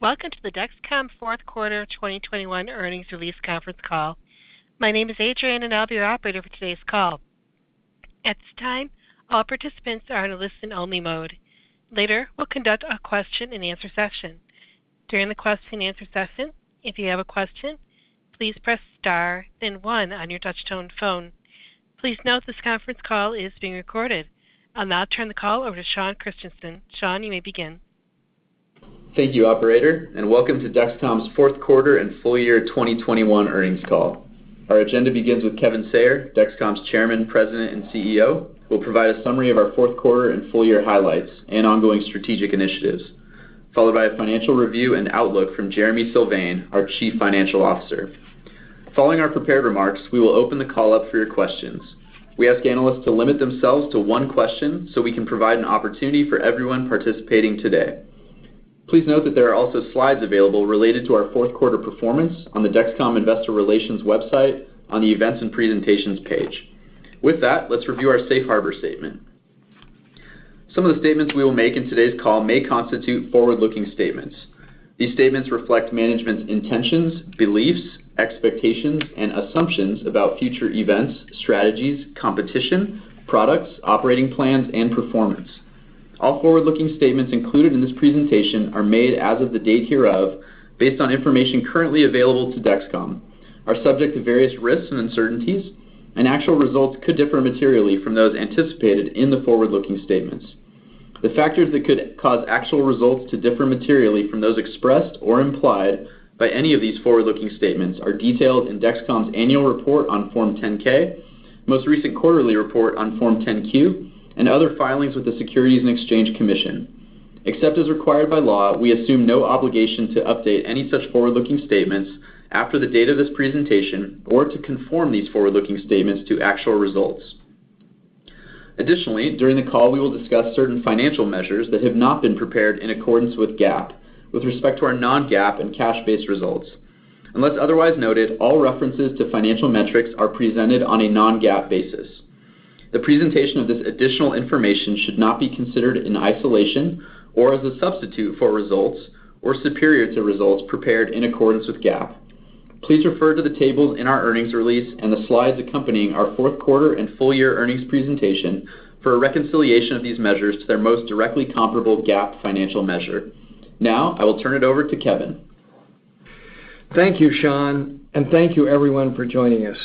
Welcome to the Dexcom Q4 2021 Earnings Release Conference Call. My name is Adrian, and I'll be your operator for today's call. At this time, all participants are in a listen-only mode. Later, we'll conduct a question-and-answer session. During the question-and-answer session, if you have a question, please press star then one on your touch-tone phone. Please note this conference call is being recorded. I'll now turn the call over to Sean Christensen. Sean, you may begin. Thank you, operator, and welcome to Dexcom's Q4 and full year 2021 earnings call. Our agenda begins with Kevin Sayer, Dexcom's Chairman, President, and CEO, who will provide a summary of our Q4 and full year highlights and ongoing strategic initiatives, followed by a financial review and outlook from Jereme Sylvain, our Chief Financial Officer. Following our prepared remarks, we will open the call up for your questions. We ask analysts to limit themselves to one question so we can provide an opportunity for everyone participating today. Please note that there are also slides available related to our Q4 performance on the Dexcom Investor Relations website on the Events and Presentations page. With that, let's review our safe harbor statement. Some of the statements we will make in today's call may constitute forward-looking statements. These statements reflect management's intentions, beliefs, expectations, and assumptions about future events, strategies, competition, products, operating plans, and performance. All forward-looking statements included in this presentation are made as of the date hereof based on information currently available to Dexcom, are subject to various risks and uncertainties, and actual results could differ materially from those anticipated in the forward-looking statements. The factors that could cause actual results to differ materially from those expressed or implied by any of these forward-looking statements are detailed in Dexcom's annual report on Form 10-K, most recent quarterly report on Form 10-Q, and other filings with the Securities and Exchange Commission. Except as required by law, we assume no obligation to update any such forward-looking statements after the date of this presentation or to conform these forward-looking statements to actual results. Additionally, during the call, we will discuss certain financial measures that have not been prepared in accordance with GAAP with respect to our non-GAAP and cash-based results. Unless otherwise noted, all references to financial metrics are presented on a non-GAAP basis. The presentation of this additional information should not be considered in isolation or as a substitute for results or superior to results prepared in accordance with GAAP. Please refer to the tables in our earnings release and the slides accompanying our Q4 and full year earnings presentation for a reconciliation of these measures to their most directly comparable GAAP financial measure. Now, I will turn it over to Kevin. Thank you, Sean, and thank you everyone for joining us.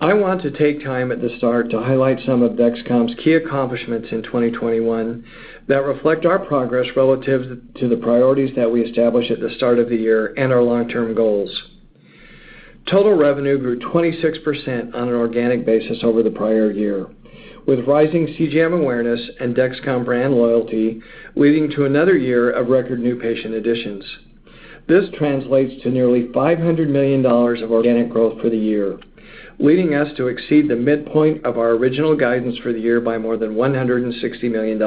I want to take time at the start to highlight some of Dexcom's key accomplishments in 2021 that reflect our progress relative to the priorities that we established at the start of the year and our long-term goals. Total revenue grew 26% on an organic basis over the prior year, with rising CGM awareness and Dexcom brand loyalty leading to another year of record new patient additions. This translates to nearly $500 million of organic growth for the year, leading us to exceed the midpoint of our original guidance for the year by more than $160 million.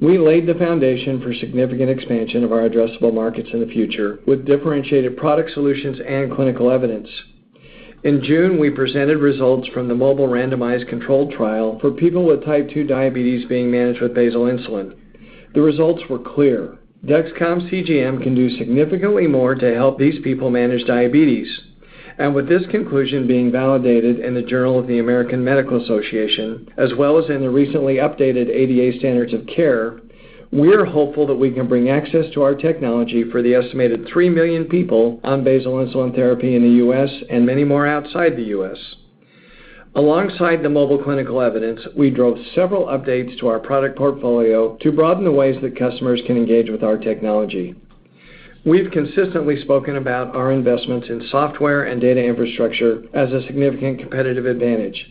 We laid the foundation for significant expansion of our addressable markets in the future with differentiated product solutions and clinical evidence. In June, we presented results from the MOBILE randomized controlled trial for people with Type 2 diabetes being managed with basal insulin. The results were clear. Dexcom CGM can do significantly more to help these people manage diabetes. With this conclusion being validated in the Journal of the American Medical Association, as well as in the recently updated ADA Standards of Care, we are hopeful that we can bring access to our technology for the estimated 3 million people on basal insulin therapy in the U.S. and many more outside the U.S. Alongside the MOBILE clinical evidence, we drove several updates to our product portfolio to broaden the ways that customers can engage with our technology. We've consistently spoken about our investments in software and data infrastructure as a significant competitive advantage.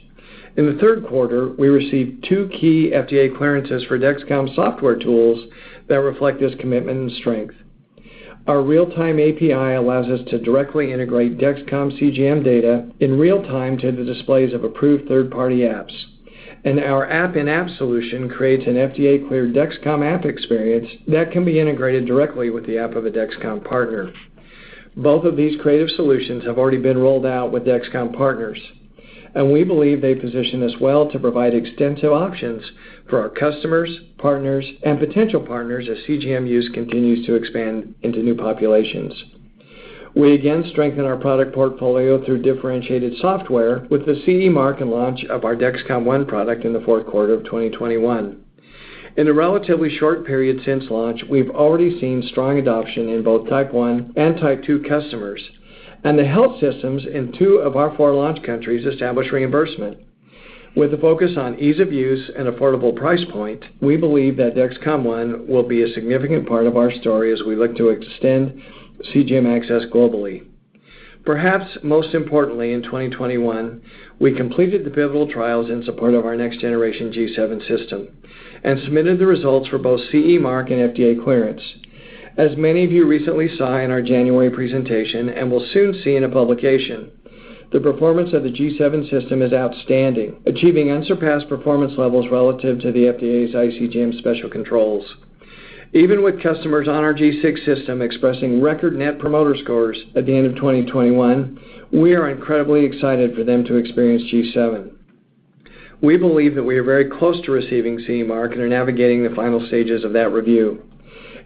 In the Q3, we received two key FDA clearances for Dexcom software tools that reflect this commitment and strength. Our real-time API allows us to directly integrate Dexcom CGM data in real time to the displays of approved third-party apps. Our app-in-app solution creates an FDA-cleared Dexcom app experience that can be integrated directly with the app of a Dexcom partner. Both of these creative solutions have already been rolled out with Dexcom partners, and we believe they position us well to provide extensive options for our customers, partners, and potential partners as CGM use continues to expand into new populations. We again strengthen our product portfolio through differentiated software with the CE mark and launch of our Dexcom ONE product in the Q4 of 2021. In a relatively short period since launch, we've already seen strong adoption in both Type 1 and Type 2 customers, and the health systems in 2 of our 4 launch countries establish reimbursement. With a focus on ease of use and affordable price point, we believe that Dexcom ONE will be a significant part of our story as we look to extend CGM access globally. Perhaps most importantly in 2021, we completed the pivotal trials in support of our next generation G7 system and submitted the results for both CE mark and FDA clearance. As many of you recently saw in our January presentation and will soon see in a publication, the performance of the G7 system is outstanding, achieving unsurpassed performance levels relative to the FDA's iCGM special controls. Even with customers on our G6 system expressing record Net Promoter Scores at the end of 2021, we are incredibly excited for them to experience G7. We believe that we are very close to receiving CE mark and are navigating the final stages of that review.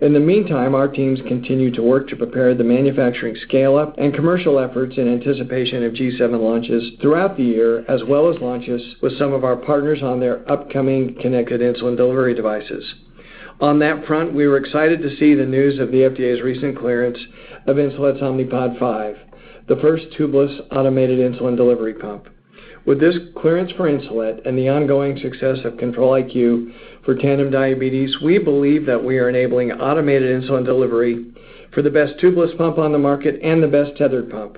In the meantime, our teams continue to work to prepare the manufacturing scale up and commercial efforts in anticipation of G7 launches throughout the year, as well as launches with some of our partners on their upcoming connected insulin delivery devices. On that front, we were excited to see the news of the FDA's recent clearance of Insulet's Omnipod 5, the first tubeless automated insulin delivery pump. With this clearance for Insulet and the ongoing success of Control-IQ for Tandem Diabetes, we believe that we are enabling automated insulin delivery for the best tubeless pump on the market and the best tethered pump.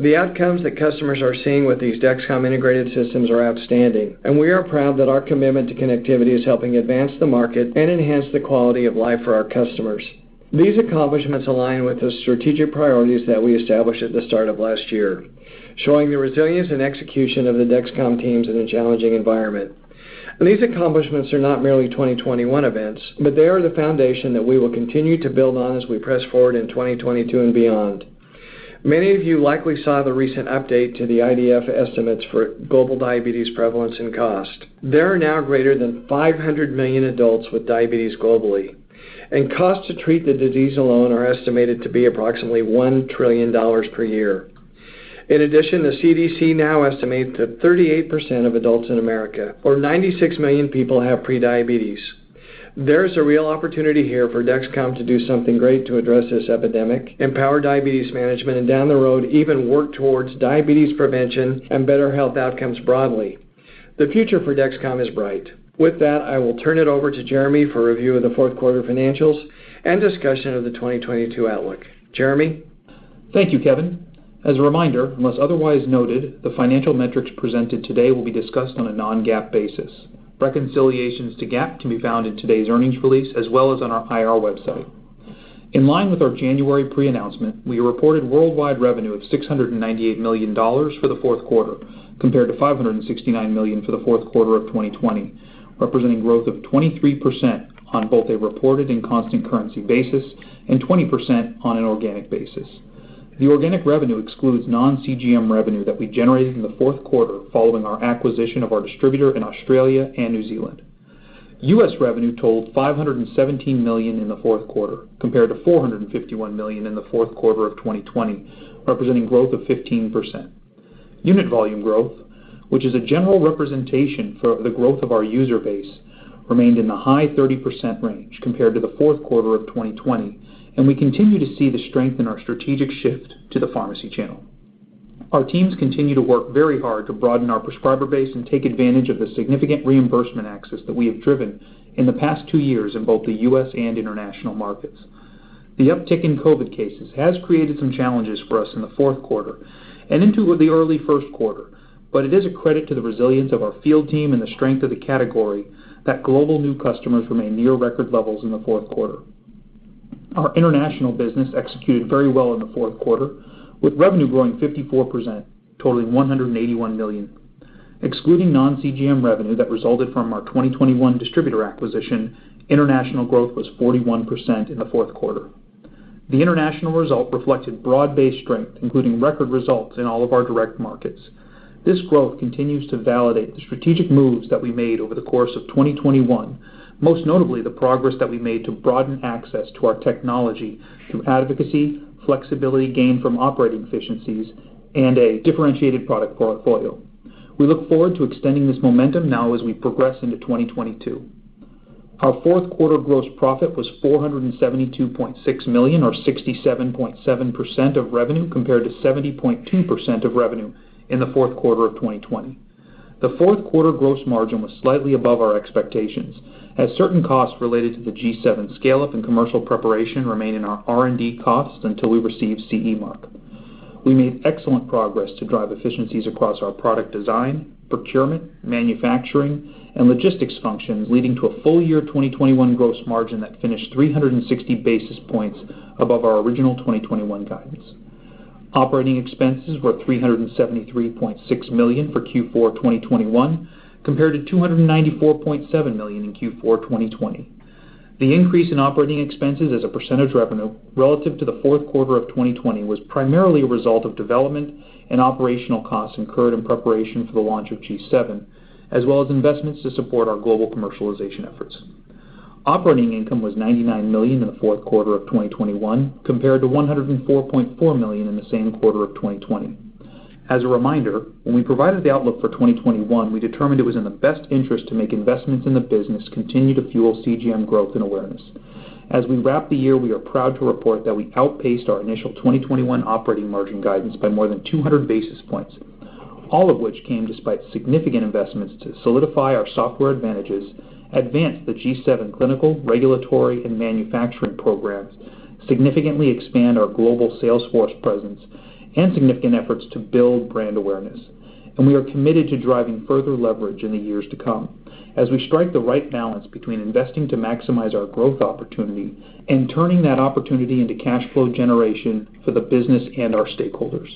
The outcomes that customers are seeing with these Dexcom integrated systems are outstanding, and we are proud that our commitment to connectivity is helping advance the market and enhance the quality of life for our customers. These accomplishments align with the strategic priorities that we established at the start of last year, showing the resilience and execution of the Dexcom teams in a challenging environment. These accomplishments are not merely 2021 events, but they are the foundation that we will continue to build on as we press forward in 2022 and beyond. Many of you likely saw the recent update to the IDF estimates for global diabetes prevalence and cost. There are now greater than 500 million adults with diabetes globally, and costs to treat the disease alone are estimated to be approximately $1 trillion per year. In addition, the CDC now estimates that 38% of adults in America, or 96 million people, have prediabetes. There is a real opportunity here for Dexcom to do something great to address this epidemic, empower diabetes management, and down the road, even work towards diabetes prevention and better health outcomes broadly. The future for Dexcom is bright. With that, I will turn it over to Jereme for review of the Q4 financials and discussion of the 2022 outlook. Jereme? Thank you, Kevin. As a reminder, unless otherwise noted, the financial metrics presented today will be discussed on a non-GAAP basis. Reconciliations to GAAP can be found in today's earnings release as well as on our IR website. In line with our January pre-announcement, we reported worldwide revenue of $698 million for the Q4 compared to $569 million for the Q4 of 2020, representing growth of 23% on both a reported and constant currency basis, and 20% on an organic basis. The organic revenue excludes non-CGM revenue that we generated in the Q4 following our acquisition of our distributor in Australia and New Zealand. U.S. revenue totaled $517 million in the Q4 compared to $451 million in the Q4 of 2020, representing growth of 15%. Unit volume growth, which is a general representation for the growth of our user base, remained in the high 30% range compared to the Q4 of 2020, and we continue to see the strength in our strategic shift to the pharmacy channel. Our teams continue to work very hard to broaden our prescriber base and take advantage of the significant reimbursement access that we have driven in the past two years in both the U.S. and international markets. The uptick in COVID cases has created some challenges for us in the Q4 and into the early Q1. It is a credit to the resilience of our field team and the strength of the category that global new customers remain near record levels in the Q4. Our international business executed very well in the Q4 with revenue growing 54%, totaling $181 million. Excluding non-CGM revenue that resulted from our 2021 distributor acquisition, international growth was 41% in the Q4. The international result reflected broad-based strength, including record results in all of our direct markets. This growth continues to validate the strategic moves that we made over the course of 2021, most notably the progress that we made to broaden access to our technology through advocacy, flexibility gained from operating efficiencies, and a differentiated product portfolio. We look forward to extending this momentum now as we progress into 2022. Our Q4 gross profit was $472.6 million or 67.7% of revenue compared to 70.2% of revenue in the Q4 of 2020. The Q4 gross margin was slightly above our expectations as certain costs related to the G7 scale up and commercial preparation remain in our R&D costs until we receive CE mark. We made excellent progress to drive efficiencies across our product design, procurement, manufacturing, and logistics functions, leading to a full year 2021 gross margin that finished 360 basis points above our original 2021 guidance. Operating expenses were $373.6 million for Q4 2021 compared to $294.7 million in Q4 2020. The increase in operating expenses as a percentage of revenue relative to the Q4 of 2020 was primarily a result of development and operational costs incurred in preparation for the launch of G7, as well as investments to support our global commercialization efforts. Operating income was $99 million in the Q4 of 2021 compared to $104.4 million in the same quarter of 2020. As a reminder, when we provided the outlook for 2021, we determined it was in the best interest to make investments in the business continue to fuel CGM growth and awareness. As we wrap the year, we are proud to report that we outpaced our initial 2021 operating margin guidance by more than 200 basis points, all of which came despite significant investments to solidify our software advantages, advance the G7 clinical, regulatory, and manufacturing programs, significantly expand our global sales force presence, and significant efforts to build brand awareness. We are committed to driving further leverage in the years to come as we strike the right balance between investing to maximize our growth opportunity and turning that opportunity into cash flow generation for the business and our stakeholders.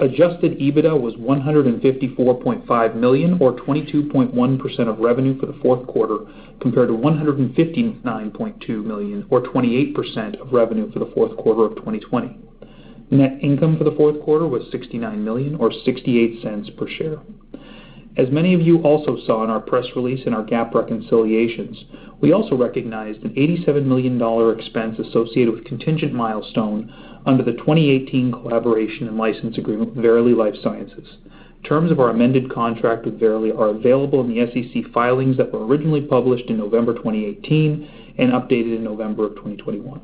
Adjusted EBITDA was $154.5 million or 22.1% of revenue for the Q4 compared to $159.2 million or 28% of revenue for the Q4 of 2020. Net income for the Q4 was $69 million or 68 cents per share. As many of you also saw in our press release and our GAAP reconciliations, we also recognized an $87 million dollar expense associated with contingent milestone under the 2018 collaboration and license agreement with Verily Life Sciences. Terms of our amended contract with Verily are available in the SEC filings that were originally published in November 2018 and updated in November 2021.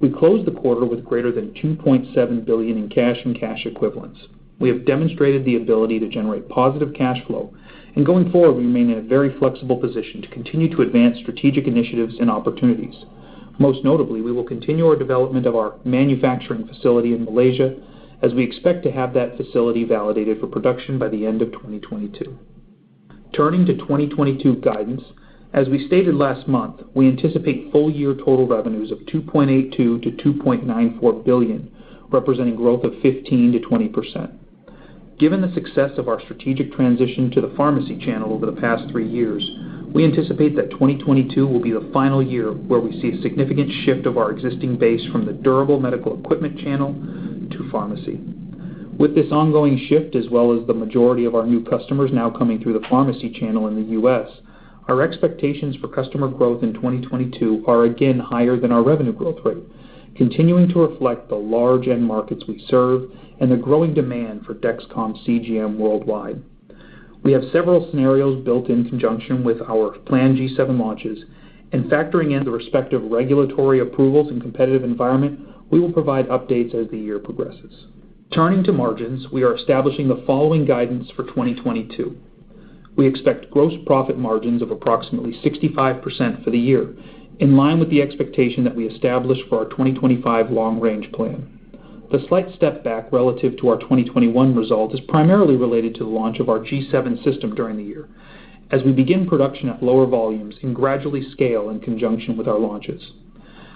We closed the quarter with greater than $2.7 billion in cash and cash equivalents. We have demonstrated the ability to generate positive cash flow, and going forward, we remain in a very flexible position to continue to advance strategic initiatives and opportunities. Most notably, we will continue our development of our manufacturing facility in Malaysia as we expect to have that facility validated for production by the end of 2022. Turning to 2022 guidance, as we stated last month, we anticipate full year total revenues of $2.82 billion-$2.94 billion, representing growth of 15%-20%. Given the success of our strategic transition to the pharmacy channel over the past three years, we anticipate that 2022 will be the final year where we see a significant shift of our existing base from the durable medical equipment channel to pharmacy. With this ongoing shift, as well as the majority of our new customers now coming through the pharmacy channel in the U.S., our expectations for customer growth in 2022 are again higher than our revenue growth rate, continuing to reflect the large end markets we serve and the growing demand for Dexcom CGM worldwide. We have several scenarios built in conjunction with our planned G7 launches and factoring in the respective regulatory approvals and competitive environment, we will provide updates as the year progresses. Turning to margins, we are establishing the following guidance for 2022. We expect gross profit margins of approximately 65% for the year, in line with the expectation that we established for our 2025 long range plan. The slight step back relative to our 2021 result is primarily related to the launch of our G7 system during the year as we begin production at lower volumes and gradually scale in conjunction with our launches.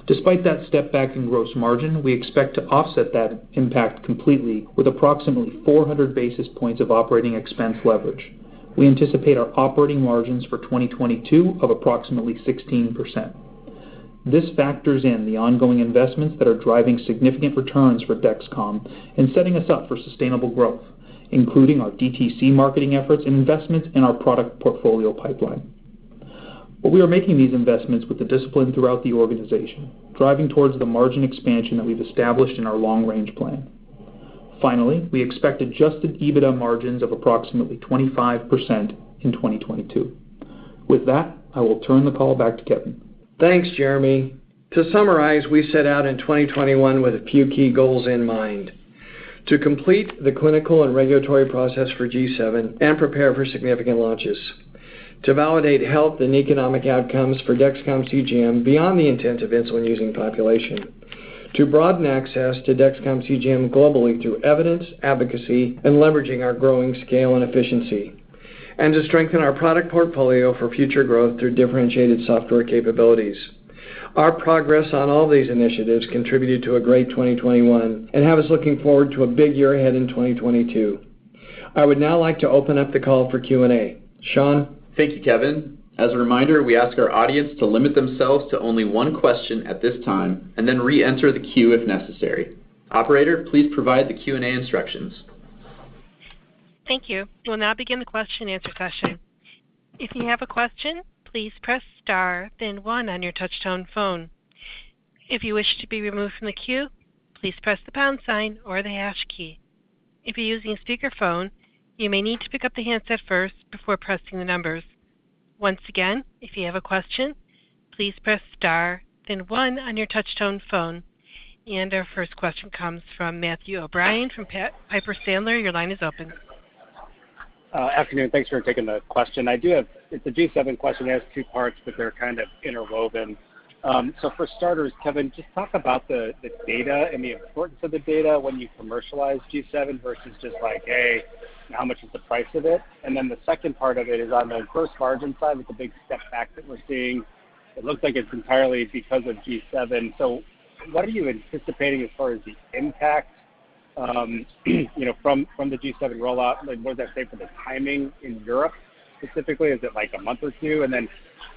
Despite that step back in gross margin, we expect to offset that impact completely with approximately 400 basis points of operating expense leverage. We anticipate our operating margins for 2022 of approximately 16%. This factors in the ongoing investments that are driving significant returns for Dexcom and setting us up for sustainable growth, including our DTC marketing efforts and investments in our product portfolio pipeline. We are making these investments with the discipline throughout the organization, driving towards the margin expansion that we've established in our long-range plan. Finally, we expect adjusted EBITDA margins of approximately 25% in 2022. With that, I will turn the call back to Kevin. Thanks, Jereme. To summarize, we set out in 2021 with a few key goals in mind. To complete the clinical and regulatory process for G7 and prepare for significant launches, to validate health and economic outcomes for Dexcom CGM beyond the intensive insulin-using population, to broaden access to Dexcom CGM globally through evidence, advocacy, and leveraging our growing scale and efficiency, and to strengthen our product portfolio for future growth through differentiated software capabilities. Our progress on all these initiatives contributed to a great 2021 and have us looking forward to a big year ahead in 2022. I would now like to open up the call for Q&A. Sean? Thank you, Kevin. As a reminder, we ask our audience to limit themselves to only one question at this time and then reenter the queue if necessary. Operator, please provide the Q&A instructions. Thank you. We'll now begin the question and answer session. If you have a question, please press star then one on your touchtone phone. If you wish to be removed from the queue, please press the pound sign or the hash key. If you're using speakerphone, you may need to pick up the handset first before pressing the numbers. Once again, if you have a question, please press star then one on your touchtone phone. Our first question comes from Matthew O'Brien from Piper Sandler. Your line is open. Afternoon, thanks for taking the question. It's a G7 question. It has two parts, but they're kind of interwoven. For starters, Kevin, just talk about the data and the importance of the data when you commercialize G7 versus just like, hey, how much is the price of it? The second part of it is on the gross margin side with the big step back that we're seeing. It looks like it's entirely because of G7. What are you anticipating as far as the impact from the G7 rollout? Like, what does that say for the timing in Europe specifically? Is it like a month or two? Then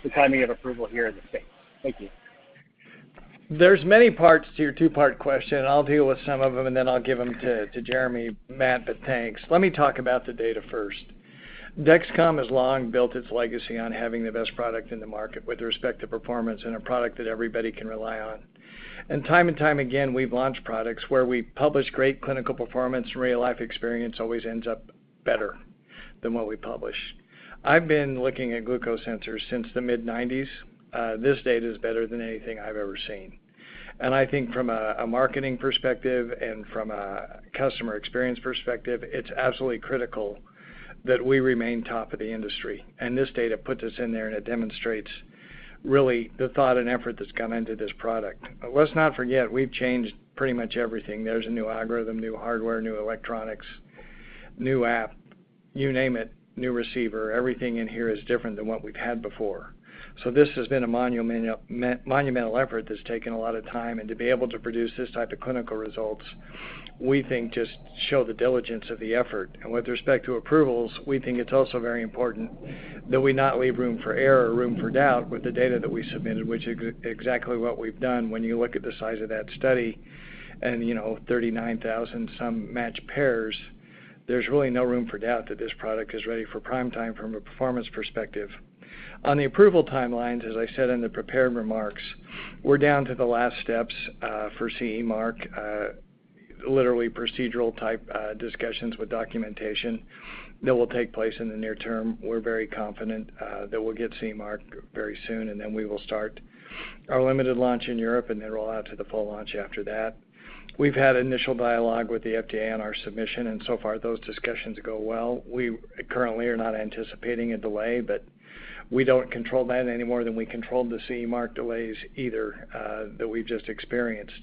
the timing of approval here in the States. Thank you. There's many parts to your two-part question. I'll deal with some of them, and then I'll give them to Jereme, Matt, but thanks. Let me talk about the data first. Dexcom has long built its legacy on having the best product in the market with respect to performance and a product that everybody can rely on. Time and time again, we've launched products where we publish great clinical performance, and real-life experience always ends up better than what we publish. I've been looking at glucose sensors since the mid-nineties. This data is better than anything I've ever seen. I think from a marketing perspective and from a customer experience perspective, it's absolutely critical that we remain top of the industry. This data puts us in there, and it demonstrates really the thought and effort that's gone into this product. Let's not forget, we've changed pretty much everything. There's a new algorithm, new hardware, new electronics, new app, you name it, new receiver. Everything in here is different than what we've had before. This has been a monumental effort that's taken a lot of time. To be able to produce this type of clinical results, we think just show the diligence of the effort. With respect to approvals, we think it's also very important that we not leave room for error or room for doubt with the data that we submitted, which is exactly what we've done when you look at the size of that study and, you know, 39,000-some match pairs. There's really no room for doubt that this product is ready for prime time from a performance perspective. On the approval timelines, as I said in the prepared remarks, we're down to the last steps for CE mark, literally procedural type discussions with documentation that will take place in the near term. We're very confident that we'll get CE mark very soon, and then we will start our limited launch in Europe and then roll out to the full launch after that. We've had initial dialogue with the FDA on our submission, and so far those discussions go well. We currently are not anticipating a delay, but we don't control that any more than we controlled the CE mark delays either that we've just experienced.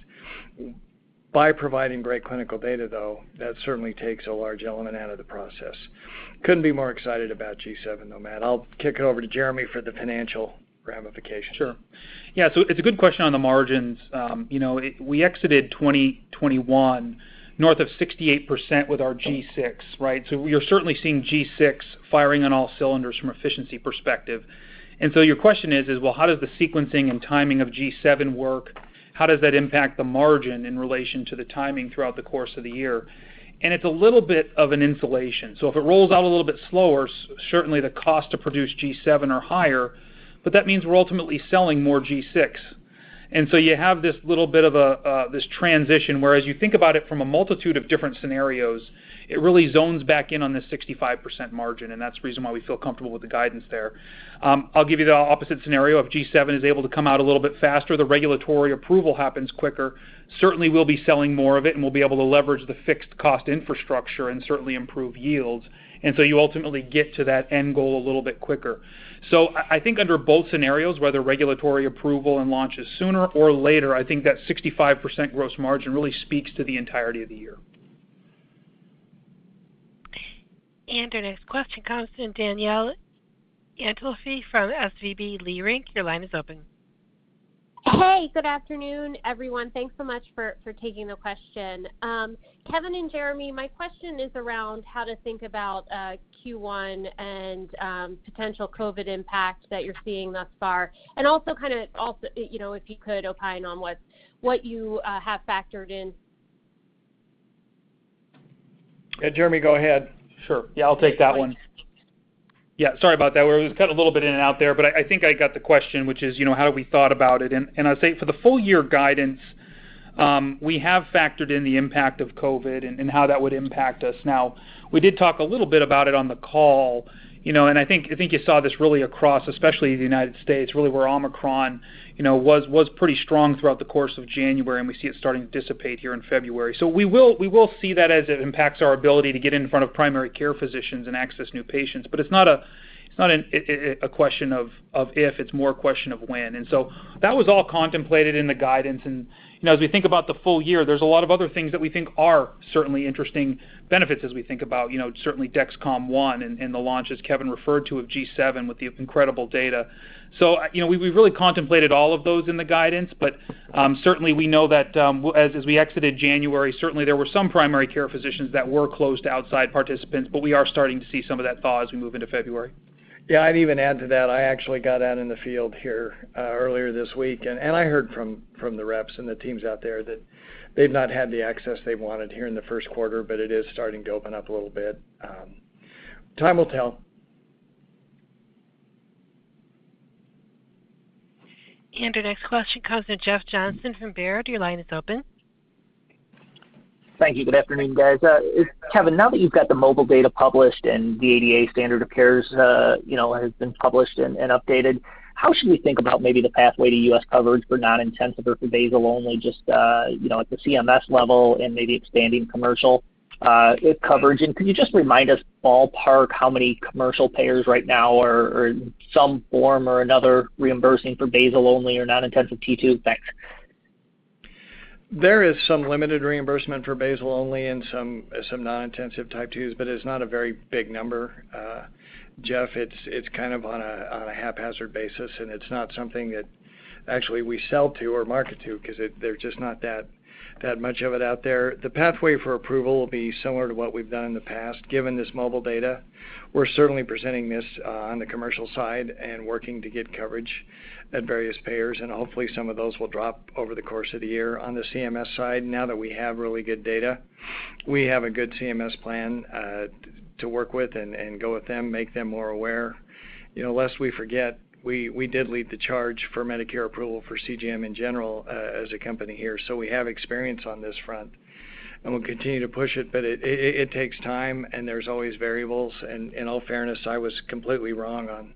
By providing great clinical data, though, that certainly takes a large element out of the process. Couldn't be more excited about G7 though, Matt. I'll kick it over to Jereme for the financial ramification. Sure. Yeah, it's a good question on the margins. You know, we exited 2021 north of 68% with our G6, right? We are certainly seeing G6 firing on all cylinders from efficiency perspective. Your question is, well, how does the sequencing and timing of G7 work? How does that impact the margin in relation to the timing throughout the course of the year? It's a little bit of an insulation. If it rolls out a little bit slower, certainly the cost to produce G7 are higher, but that means we're ultimately selling more G6. You have this little bit of a, this transition, whereas you think about it from a multitude of different scenarios, it really zones back in on the 65% margin, and that's the reason why we feel comfortable with the guidance there. I'll give you the opposite scenario. If G7 is able to come out a little bit faster, the regulatory approval happens quicker, certainly we'll be selling more of it, and we'll be able to leverage the fixed cost infrastructure and certainly improve yields. You ultimately get to that end goal a little bit quicker. I think under both scenarios, whether regulatory approval and launch is sooner or later, I think that 65% gross margin really speaks to the entirety of the year. Our next question comes from Danielle Antalffy from SVB Leerink, your line is open. Hey, good afternoon, everyone. Thanks so much for taking the question. Kevin and Jereme, my question is around how to think about Q1 and potential COVID impact that you're seeing thus far, and also, you know, if you could opine on what you have factored in. Yeah, Jereme, go ahead. Sure. Yeah, I'll take that one. Yeah, sorry about that. We were just cut a little bit in and out there, but I think I got the question, which is, you know, how have we thought about it. I'll say for the full year guidance, we have factored in the impact of COVID and how that would impact us. Now, we did talk a little bit about it on the call, you know, and I think you saw this really across, especially the United States, really where Omicron, you know, was pretty strong throughout the course of January, and we see it starting to dissipate here in February. We will see that as it impacts our ability to get in front of primary care physicians and access new patients. It's not a question of if, it's more a question of when. That was all contemplated in the guidance. You know, as we think about the full year, there's a lot of other things that we think are certainly interesting benefits as we think about, you know, certainly Dexcom ONE and the launch, as Kevin referred to, of G7 with the incredible data. You know, we really contemplated all of those in the guidance. Certainly we know that as we exited January, certainly there were some primary care physicians that were closed to outside participants, but we are starting to see some of that thaw as we move into February. Yeah, I'd even add to that. I actually got out in the field here earlier this week, and I heard from the reps and the teams out there that they've not had the access they wanted here in the Q1, but it is starting to open up a little bit. Time will tell. Our next question comes in. Jeff Johnson from Baird, your line is open. Thank you. Good afternoon, guys. Kevin, now that you've got the MOBILE data published and the ADA Standards of Care, you know, has been published and updated, how should we think about maybe the pathway to U.S. coverage for non-intensive or for basal only just, you know, at the CMS level and maybe expanding commercial coverage? Could you just remind us ballpark how many commercial payers right now are in some form or another reimbursing for basal only or non-intensive T2? Thanks. There is some limited reimbursement for basal only and some non-intensive Type 2s, but it's not a very big number. Jeff, it's kind of on a haphazard basis, and it's not something that actually we sell to or market to because there's just not that much of it out there. The pathway for approval will be similar to what we've done in the past, given this MOBILE data. We're certainly presenting this on the commercial side and working to get coverage at various payers, and hopefully, some of those will drop over the course of the year. On the CMS side, now that we have really good data, we have a good CMS plan to work with and go with them, make them more aware. You know, lest we forget, we did lead the charge for Medicare approval for CGM in general, as a company here. We have experience on this front, and we'll continue to push it, but it takes time, and there's always variables. In all fairness, I was completely wrong on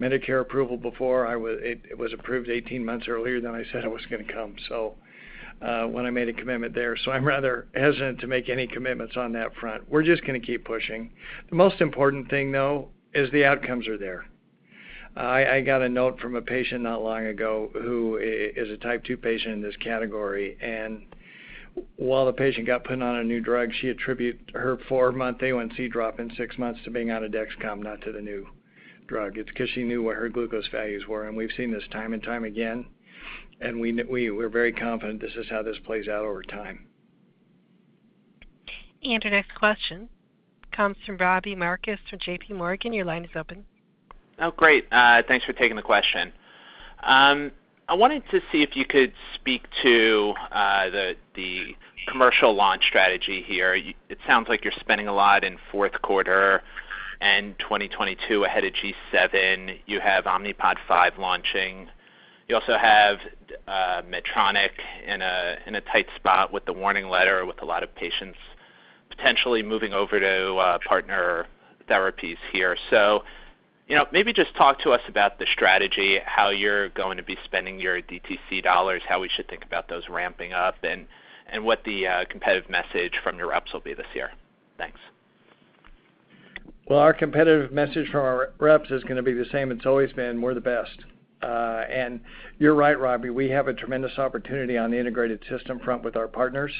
Medicare approval before. It was approved 18 months earlier than I said it was gonna come, so when I made a commitment there. I'm rather hesitant to make any commitments on that front. We're just gonna keep pushing. The most important thing, though, is the outcomes are there. I got a note from a patient not long ago who is a Type 2 patient in this category. While the patient got put on a new drug, she attributed her four-month A1C drop in six months to being on a Dexcom, not to the new drug. It's because she knew what her glucose values were, and we've seen this time and time again, and we're very confident this is how this plays out over time. Our next question comes from Robbie Marcus from JPMorgan. Your line is open. Great. Thanks for taking the question. I wanted to see if you could speak to the commercial launch strategy here. It sounds like you're spending a lot in Q4 and 2022 ahead of G7. You have Omnipod 5 launching. You also have Medtronic in a tight spot with the warning letter, with a lot of patients potentially moving over to partner therapies here. You know, maybe just talk to us about the strategy, how you're going to be spending your DTC dollars, how we should think about those ramping up, and what the competitive message from your reps will be this year. Thanks. Well, our competitive message from our reps is gonna be the same it's always been. We're the best. You're right, Robbie, we have a tremendous opportunity on the integrated system front with our partners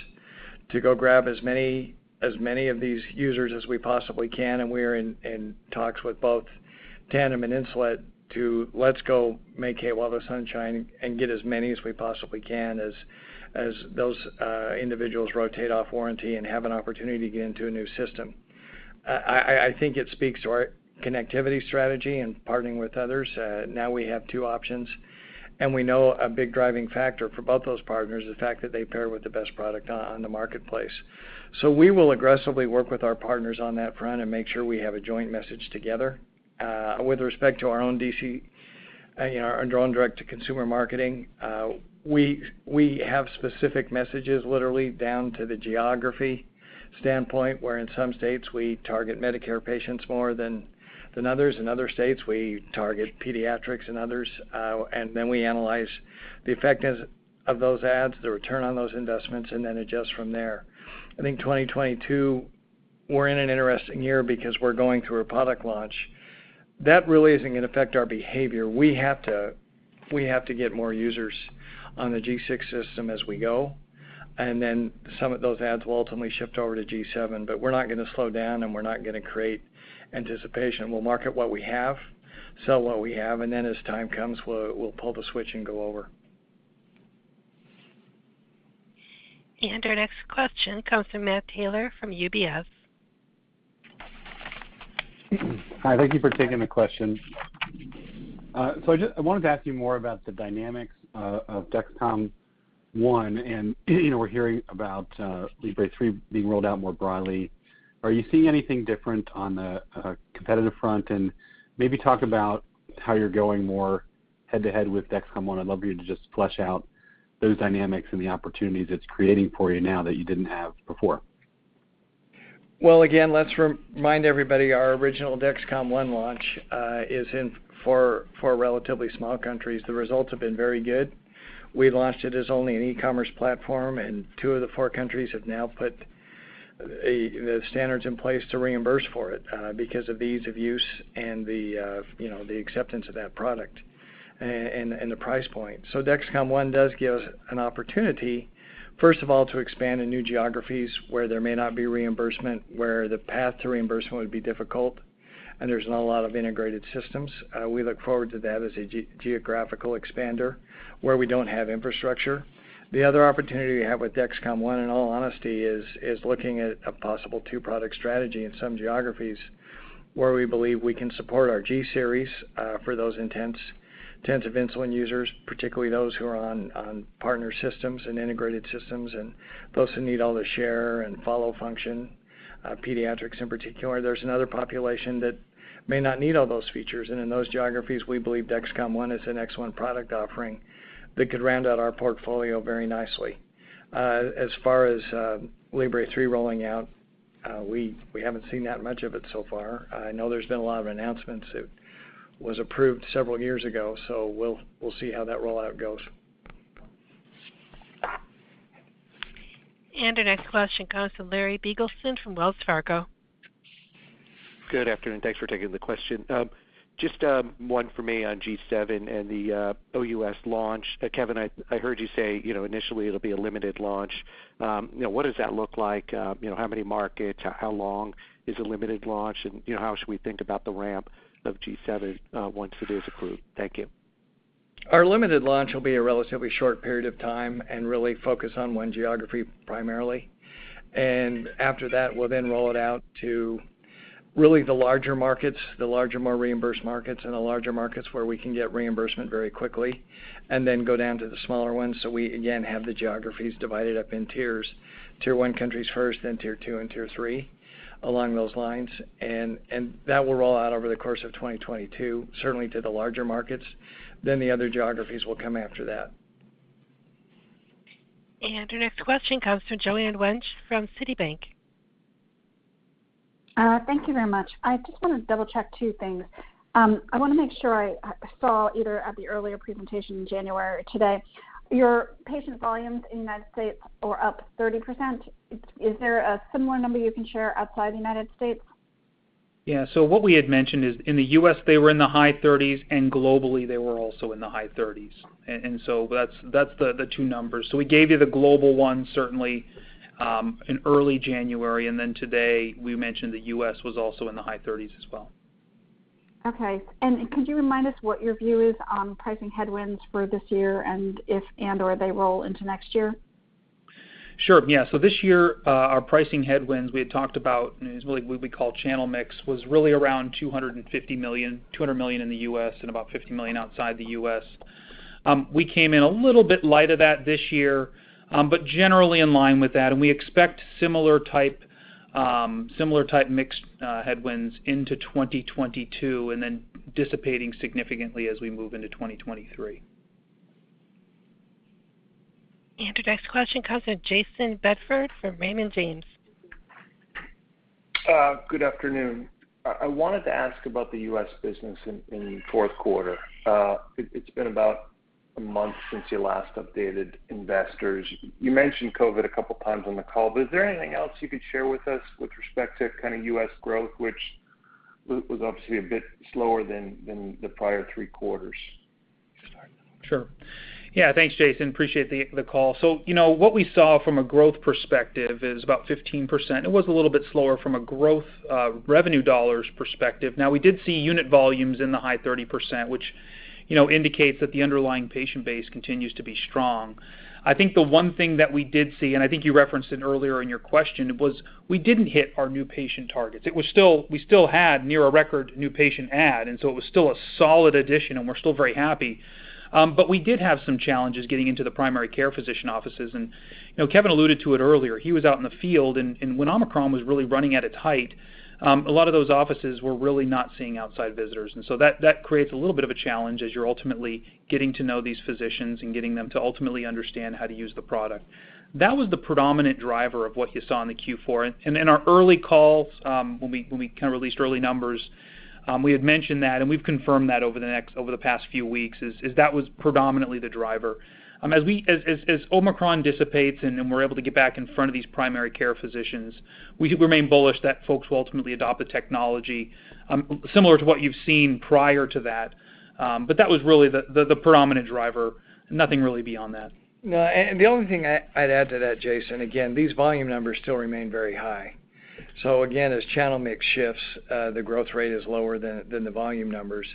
to go grab as many of these users as we possibly can. We're in talks with both Tandem and Insulet to let's go make hay while the sun shines and get as many as we possibly can as those individuals rotate off warranty and have an opportunity to get into a new system. I think it speaks to our connectivity strategy and partnering with others. Now we have two options, and we know a big driving factor for both those partners is the fact that they pair with the best product on the marketplace. We will aggressively work with our partners on that front and make sure we have a joint message together. With respect to our own DTC, you know, our own direct-to-consumer marketing, we have specific messages literally down to the geography standpoint, where in some states we target Medicare patients more than others. In other states, we target pediatrics and others. Then we analyze the effectiveness of those ads, the return on those investments, and then adjust from there. I think 2022, we're in an interesting year because we're going through a product launch. That really isn't gonna affect our behavior. We have to get more users on the G6 system as we go, and then some of those ads will ultimately shift over to G7. We're not gonna slow down, and we're not gonna create anticipation. We'll market what we have, sell what we have, and then as time comes, we'll pull the switch and go over. Our next question comes from Matt Taylor from UBS. Hi. Thank you for taking the question. I wanted to ask you more about the dynamics of Dexcom ONE. You know, we're hearing about Libre 3 being rolled out more broadly. Are you seeing anything different on the competitive front? Maybe talk about how you're going more head to head with Dexcom ONE. I'd love you to just flesh out those dynamics and the opportunities it's creating for you now that you didn't have before. Well, again, let's remind everybody our original Dexcom ONE launch is in four relatively small countries. The results have been very good. We launched it as only an e-commerce platform, and two of the four countries have now put the standards in place to reimburse for it because of the ease of use and you know, the acceptance of that product and the price point. Dexcom ONE does give us an opportunity, first of all, to expand in new geographies where there may not be reimbursement, where the path to reimbursement would be difficult, and there's not a lot of integrated systems. We look forward to that as a geographical expander where we don't have infrastructure. The other opportunity we have with Dexcom ONE, in all honesty, is looking at a possible two-product strategy in some geographies where we believe we can support our G-series for those intensive insulin users, particularly those who are on partner systems and integrated systems and those who need all the Share and Follow function, pediatrics in particular. There's another population that may not need all those features, and in those geographies, we believe Dexcom ONE is an excellent product offering that could round out our portfolio very nicely. As far as Libre 3 rolling out, we haven't seen that much of it so far. I know there's been a lot of announcements. It was approved several years ago, so we'll see how that rollout goes. Our next question comes from Larry Biegelsen from Wells Fargo. Good afternoon. Thanks for taking the question. Just one for me on G7 and the OUS launch. Kevin, I heard you say, you know, initially it'll be a limited launch. You know, what does that look like? You know, how many markets? How long is the limited launch? And, you know, how should we think about the ramp of G7 once it is approved? Thank you. Our limited launch will be a relatively short period of time and really focus on one geography primarily. After that, we'll then roll it out to really the larger markets, the larger, more reimbursed markets and the larger markets where we can get reimbursement very quickly, and then go down to the smaller ones. We again have the geographies divided up in tiers. Tier 1 countries first, then Tier 2 and Tier 3, along those lines. That will roll out over the course of 2022, certainly to the larger markets, then the other geographies will come after that. Our next question comes from Joanne Wuensch from Citigroup. Thank you very much. I just wanna double-check two things. I wanna make sure I saw either at the earlier presentation in January or today, your patient volumes in the United States were up 30%. Is there a similar number you can share outside the United States? Yeah. What we had mentioned is in the U.S., they were in the high 30s, and globally, they were also in the high 30s. That's the two numbers. We gave you the global one certainly in early January, and then today we mentioned the U.S. was also in the high 30s as well. Okay. Could you remind us what your view is on pricing headwinds for this year, and if and/or they roll into next year? Sure. Yeah. This year, our pricing headwinds we had talked about, and is really what we call channel mix, was really around $250 million, $200 million in the U.S., and about $50 million outside the U.S. We came in a little bit light of that this year, but generally in line with that. We expect similar type mix headwinds into 2022, and then dissipating significantly as we move into 2023. Your next question comes from Jayson Bedford from Raymond James. Good afternoon. I wanted to ask about the U.S. business in the Q4. It's been about a month since you last updated investors. You mentioned COVID a couple times on the call, but is there anything else you could share with us with respect to kind of U.S. growth, which was obviously a bit slower than the prior three quarters? Sure. Yeah, thanks, Jason. Appreciate the call. You know, what we saw from a growth perspective is about 15%. It was a little bit slower from a growth, revenue dollars perspective. Now, we did see unit volumes in the high 30%, which, you know, indicates that the underlying patient base continues to be strong. I think the one thing that we did see, and I think you referenced it earlier in your question, was we didn't hit our new patient targets. We still had near a record new patient add, and so it was still a solid addition and we're still very happy. But we did have some challenges getting into the primary care physician offices. You know, Kevin alluded to it earlier. He was out in the field, and when Omicron was really running at its height, a lot of those offices were really not seeing outside visitors. That creates a little bit of a challenge as you're ultimately getting to know these physicians and getting them to ultimately understand how to use the product. That was the predominant driver of what you saw in the Q4. In our early calls, when we kind of released early numbers, we had mentioned that, and we've confirmed that over the past few weeks, that was predominantly the driver. As Omicron dissipates and then we're able to get back in front of these primary care physicians, we remain bullish that folks will ultimately adopt the technology, similar to what you've seen prior to that. That was really the predominant driver. Nothing really beyond that. No. The only thing I'd add to that, Jayson, again, these volume numbers still remain very high. Again, as channel mix shifts, the growth rate is lower than the volume numbers.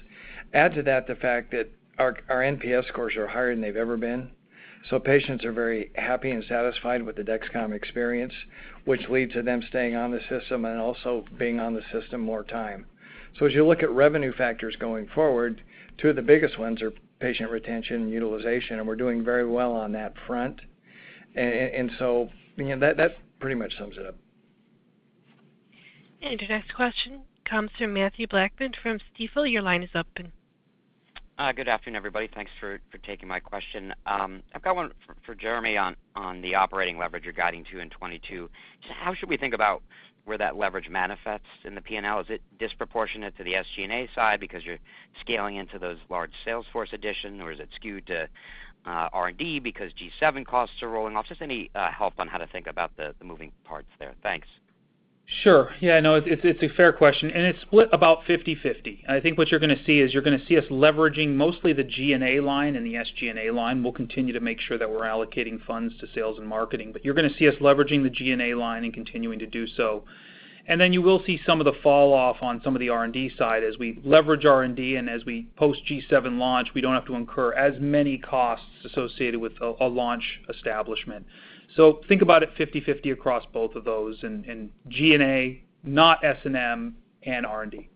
Add to that the fact that our NPS scores are higher than they've ever been, so patients are very happy and satisfied with the Dexcom experience, which leads to them staying on the system and also being on the system more time. As you look at revenue factors going forward, two of the biggest ones are patient retention and utilization, and we're doing very well on that front. You know, that pretty much sums it up. Your next question comes from Mathew Blackman from Stifel. Your line is open. Good afternoon, everybody. Thanks for taking my question. I've got one for Jereme on the operating leverage you're guiding to in 2022. How should we think about where that leverage manifests in the P&L? Is it disproportionate to the SG&A side because you're scaling into those large sales force additions, or is it skewed to R&D because G7 costs are rolling off? Just any help on how to think about the moving parts there. Thanks. Sure. Yeah, no, it's a fair question, and it's split about 50/50. I think what you're gonna see is us leveraging mostly the G&A line and the SG&A line. We'll continue to make sure that we're allocating funds to sales and marketing. You're gonna see us leveraging the G&A line and continuing to do so. You will see some of the fall off on some of the R&D side as we leverage R&D and as we post-G7 launch, we don't have to incur as many costs associated with a launch establishment. Think about it 50/50 across both of those, and G&A, not S&M and R&D.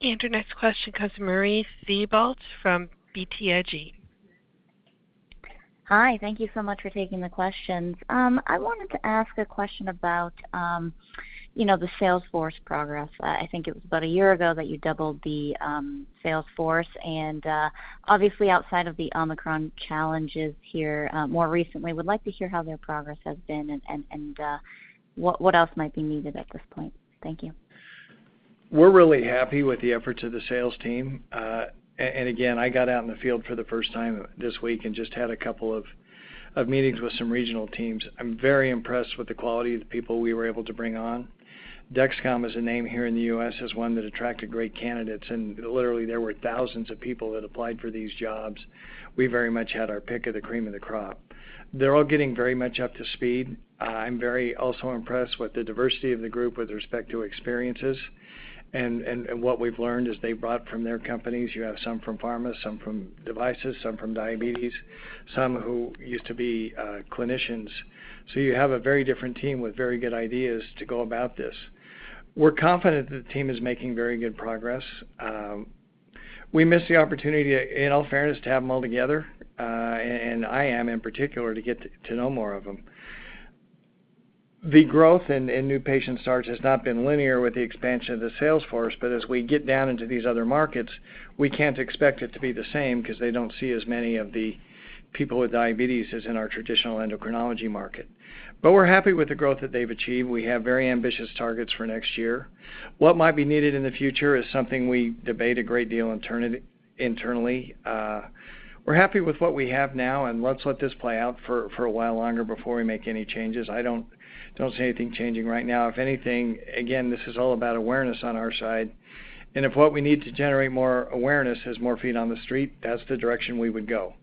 Your next question comes from Marie Thibault from BTIG. Hi. Thank you so much for taking the questions. I wanted to ask a question about, you know, the sales force progress. I think it was about a year ago that you doubled the sales force. Obviously outside of the Omicron challenges here, more recently, I would like to hear how their progress has been and what else might be needed at this point. Thank you. We're really happy with the efforts of the sales team. Again, I got out in the field for the first time this week and just had a couple of meetings with some regional teams. I'm very impressed with the quality of the people we were able to bring on. Dexcom is a name here in the U.S. as one that attracted great candidates, and literally there were thousands of people that applied for these jobs. We very much had our pick of the cream of the crop. They're all getting very much up to speed. I'm very also impressed with the diversity of the group with respect to experiences and what we've learned is they brought from their companies. You have some from pharma, some from devices, some from diabetes, some who used to be clinicians. You have a very different team with very good ideas to go about this. We're confident that the team is making very good progress. We missed the opportunity, in all fairness, to have them all together, and I am in particular to get to know more of them. The growth in new patient starts has not been linear with the expansion of the sales force. As we get down into these other markets, we can't expect it to be the same because they don't see as many of the people with diabetes as in our traditional endocrinology market. We're happy with the growth that they've achieved. We have very ambitious targets for next year. What might be needed in the future is something we debate a great deal internally. We're happy with what we have now, and let's let this play out for a while longer before we make any changes. I don't see anything changing right now. If anything, again, this is all about awareness on our side. If what we need to generate more awareness is more feet on the street, that's the direction we would go.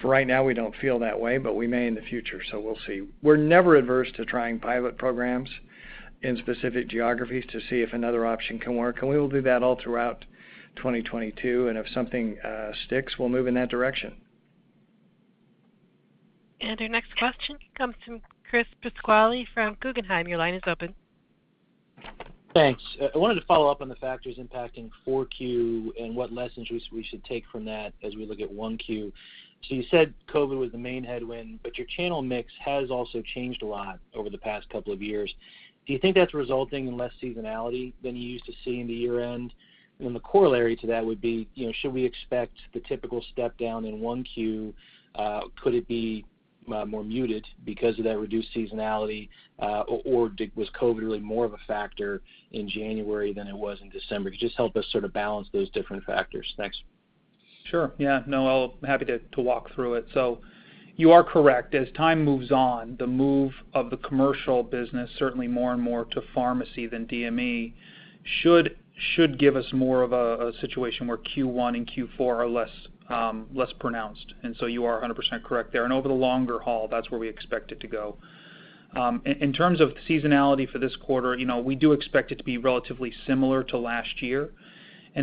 For right now, we don't feel that way, but we may in the future, so we'll see. We're never adverse to trying pilot programs in specific geographies to see if another option can work, and we will do that all throughout 2022, and if something sticks, we'll move in that direction. Our next question comes from Chris Pasquale from Guggenheim. Your line is open. Thanks. I wanted to follow up on the factors impacting 4Q and what lessons we should take from that as we look at 1Q. You said COVID was the main headwind, but your channel mix has also changed a lot over the past couple of years. Do you think that's resulting in less seasonality than you used to see in the year-end? And then the corollary to that would be, you know, should we expect the typical step down in 1Q, could it be more muted because of that reduced seasonality, or was COVID really more of a factor in January than it was in December? Could you just help us sort of balance those different factors? Thanks. Sure. Yeah. No, I'll be happy to walk through it. So you are correct. As time moves on, the move of the commercial business certainly more and more to pharmacy than DME should give us more of a situation where Q1 and Q4 are less pronounced. You are 100% correct there. Over the longer haul, that's where we expect it to go. In terms of seasonality for this quarter, you know, we do expect it to be relatively similar to last year.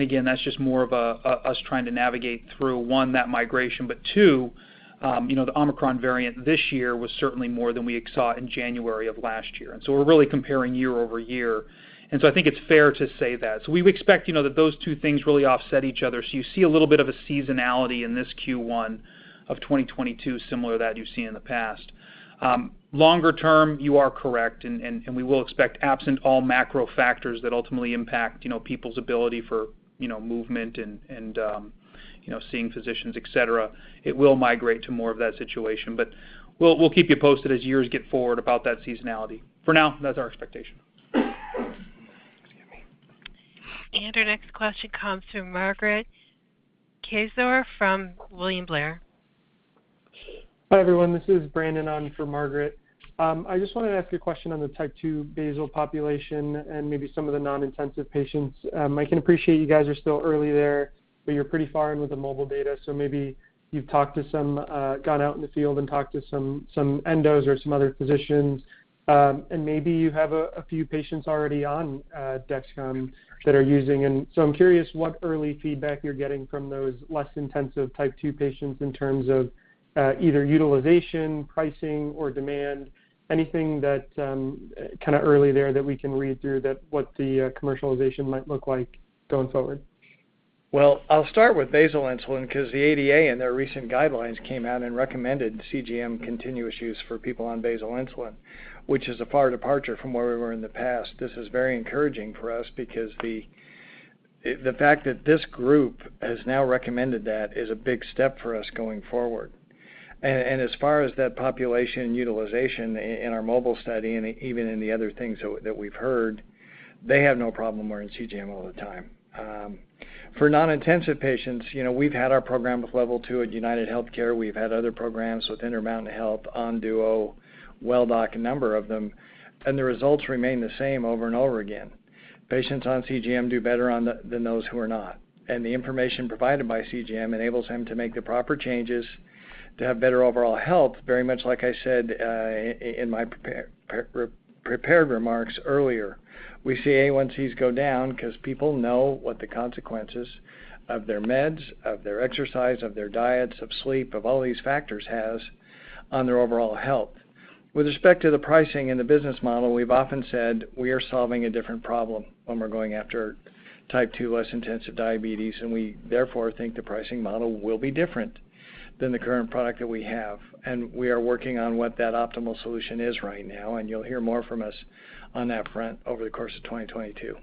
Again, that's just more of us trying to navigate through, one, that migration. Two, you know, the Omicron variant this year was certainly more than we saw in January of last year. We're really comparing year-over-year. I think it's fair to say that. We would expect, you know, that those two things really offset each other. You see a little bit of a seasonality in this Q1 of 2022, similar to that you've seen in the past. Longer term, you are correct, and we will expect absent all macro factors that ultimately impact, you know, people's ability for, you know, movement and, you know, seeing physicians, et cetera. It will migrate to more of that situation. We'll keep you posted as years get forward about that seasonality. For now, that's our expectation. Excuse me. Our next question comes from Margaret Kaczor from William Blair. Hi, everyone. This is Brandon on for Margaret Kaczor. I just wanted to ask you a question on the Type 2 basal population and maybe some of the non-intensive patients. I can appreciate you guys are still early there, but you're pretty far in with the MOBILE data. Maybe you've gone out in the field and talked to some endos or some other physicians, and maybe you have a few patients already on Dexcom that are using. I'm curious what early feedback you're getting from those less intensive Type 2 patients in terms of either utilization, pricing, or demand. Anything kind of early there that we can read through to what the commercialization might look like going forward? Well, I'll start with basal insulin because the ADA and their recent guidelines came out and recommended CGM continuous use for people on basal insulin, which is a far departure from where we were in the past. This is very encouraging for us because the fact that this group has now recommended that is a big step for us going forward. as far as that population utilization in our MOBILE study and even in the other things that we've heard, they have no problem wearing CGM all the time. For non-intensive patients, you know, we've had our program with Level2 at UnitedHealthcare. We've had other programs with Intermountain Health, Onduo, Welldoc, a number of them, and the results remain the same over and over again. Patients on CGM do better than those who are not, and the information provided by CGM enables them to make the proper changes to have better overall health, very much like I said in my prepared remarks earlier. We see A1Cs go down because people know what the consequences of their meds, of their exercise, of their diets, of sleep, of all these factors has on their overall health. With respect to the pricing and the business model, we've often said we are solving a different problem when we're going after Type 2 less intensive diabetes, and we therefore think the pricing model will be different than the current product that we have. We are working on what that optimal solution is right now, and you'll hear more from us on that front over the course of 2022.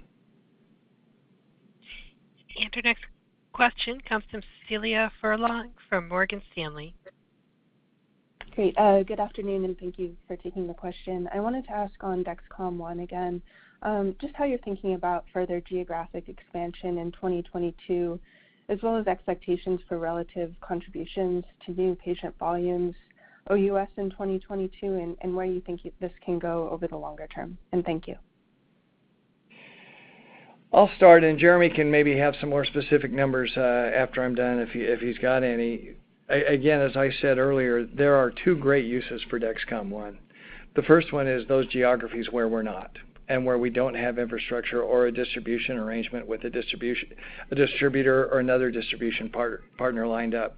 Our next question comes from Cecilia Furlong from Morgan Stanley. Great. Good afternoon, and thank you for taking the question. I wanted to ask on Dexcom ONE again, just how you're thinking about further geographic expansion in 2022, as well as expectations for relative contributions to new patient volumes, OUS in 2022, and where you think this can go over the longer term. Thank you. I'll start, and Jereme can maybe have some more specific numbers after I'm done if he's got any. Again, as I said earlier, there are two great uses for Dexcom ONE. The first one is those geographies where we're not and where we don't have infrastructure or a distribution arrangement with a distributor or another distribution partner lined up.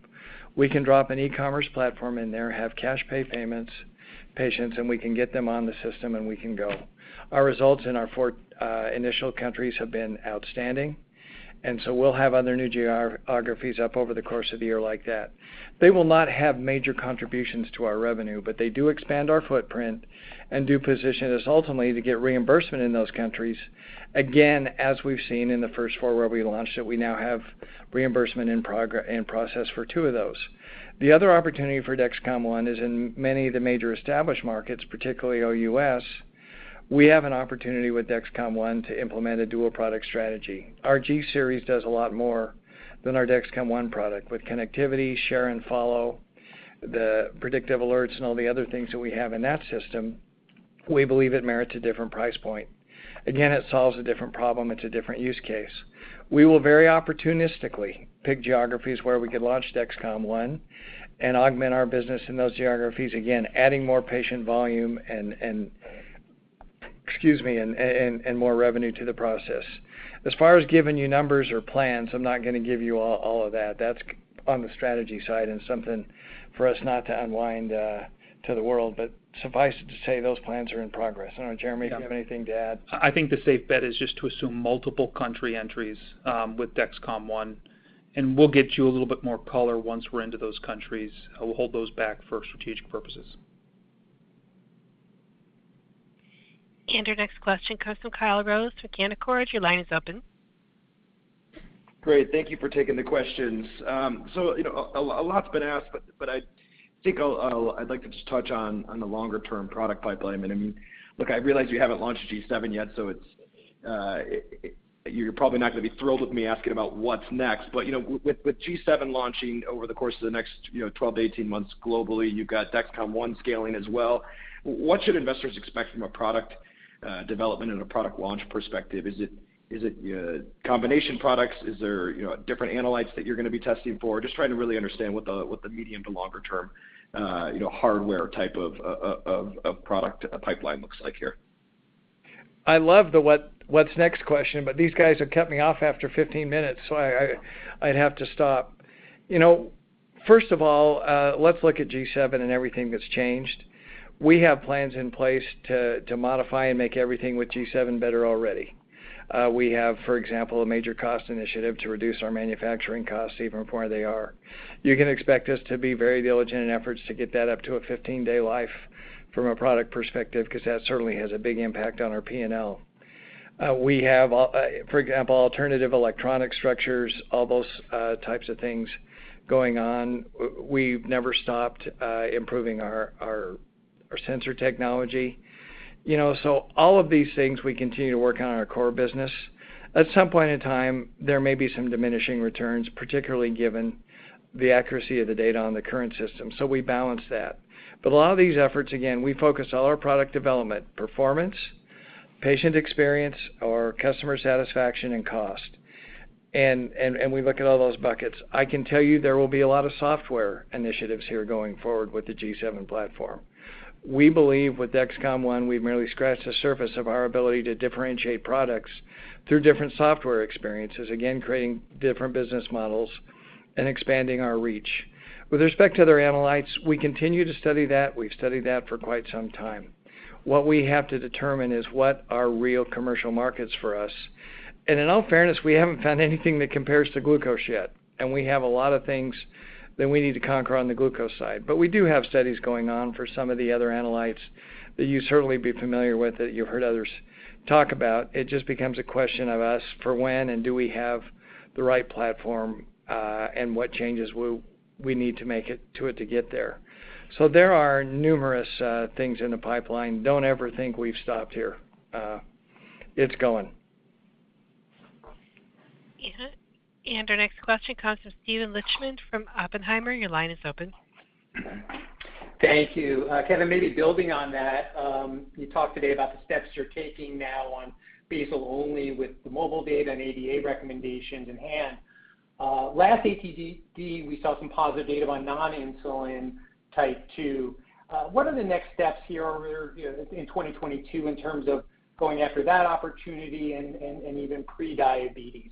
We can drop an e-commerce platform in there, have cash-pay payments, patients, and we can get them on the system, and we can go. Our results in our four initial countries have been outstanding. We'll have other new geographies up over the course of the year like that. They will not have major contributions to our revenue, but they do expand our footprint and do position us ultimately to get reimbursement in those countries. Again, as we've seen in the first four where we launched that we now have reimbursement in process for two of those. The other opportunity for Dexcom ONE is in many of the major established markets, particularly OUS. We have an opportunity with Dexcom ONE to implement a dual product strategy. Our G-series does a lot more than our Dexcom ONE product. With connectivity, Share and Follow, the predictive alerts, and all the other things that we have in that system. We believe it merits a different price point. Again, it solves a different problem, it's a different use case. We will very opportunistically pick geographies where we could launch Dexcom ONE and augment our business in those geographies, again, adding more patient volume and more revenue to the process. As far as giving you numbers or plans, I'm not gonna give you all of that. That's on the strategy side and something for us not to unwind to the world. Suffice it to say, those plans are in progress. I don't know, Jereme Do you have anything to add? I think the safe bet is just to assume multiple country entries with Dexcom ONE, and we'll get you a little bit more color once we're into those countries. We'll hold those back for strategic purposes. Our next question comes from Kyle Rose with Canaccord. Your line is open. Great. Thank you for taking the questions. You know, a lot's been asked, but I think I'd like to just touch on the longer term product pipeline. I mean, look, I realize you haven't launched G7 yet, so you're probably not gonna be thrilled with me asking about what's next. You know, with G7 launching over the course of the next, you know, 12-18 months globally, you've got Dexcom ONE scaling as well. What should investors expect from a product development and a product launch perspective? Is it combination products? Is there, you know, different analytes that you're gonna be testing for? Just trying to really understand what the medium to longer term, you know, hardware type of product pipeline looks like here. I love the what's next question, but these guys have cut me off after 15 minutes, so I'd have to stop. You know, first of all, let's look at G7 and everything that's changed. We have plans in place to modify and make everything with G7 better already. We have, for example, a major cost initiative to reduce our manufacturing costs even from where they are. You can expect us to be very diligent in efforts to get that up to a 15-day life from a product perspective, 'cause that certainly has a big impact on our P&L. We have, for example, alternative electronic structures, all those types of things going on. We've never stopped improving our sensor technology. You know, all of these things we continue to work on in our core business. At some point in time, there may be some diminishing returns, particularly given the accuracy of the data on the current system. We balance that. A lot of these efforts, again, we focus all our product development, performance, patient experience, or customer satisfaction, and cost. We look at all those buckets. I can tell you there will be a lot of software initiatives here going forward with the G7 platform. We believe with Dexcom ONE, we've merely scratched the surface of our ability to differentiate products through different software experiences. Again, creating different business models and expanding our reach. With respect to other analytes, we continue to study that. We've studied that for quite some time. What we have to determine is what are real commercial markets for us. In all fairness, we haven't found anything that compares to glucose yet, and we have a lot of things that we need to conquer on the glucose side. We do have studies going on for some of the other analytes that you'd certainly be familiar with, that you've heard others talk about. It just becomes a question of us for when and do we have the right platform, and what changes will we need to make it to it to get there. There are numerous things in the pipeline. Don't ever think we've stopped here. It's going. Our next question comes from Steven Lichtman from Oppenheimer. Your line is open. Thank you. Kevin, maybe building on that, you talked today about the steps you're taking now on basal only with the MOBILE data and ADA recommendations in hand. Last ADA, we saw some positive data on non-insulin Type 2. What are the next steps here over, you know, in 2022 in terms of going after that opportunity and even prediabetes?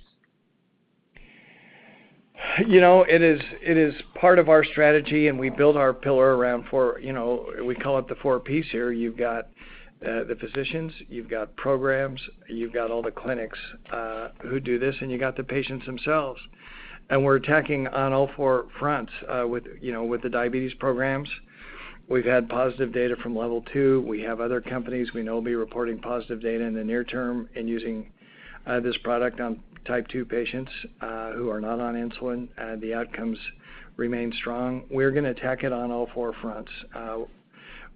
You know, it is part of our strategy, and we build our pillar around, you know, we call it the four Ps here. You've got the physicians, you've got programs, you've got all the clinics who do this, and you got the patients themselves. We're attacking on all four fronts. With, you know, the diabetes programs, we've had positive data from Level2. We have other companies we know will be reporting positive data in the near term and using this product on Type 2 patients who are not on insulin, the outcomes remain strong. We're gonna attack it on all four fronts.